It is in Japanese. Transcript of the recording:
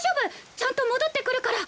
ちゃんと戻ってくるから。